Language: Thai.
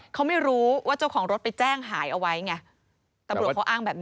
เขาไม่รู้ว่าเจ้าของรถไปแจ้งหายเอาไว้ไงตำรวจเขาอ้างแบบนี้